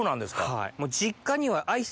はい。